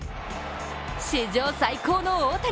史上最高の大谷。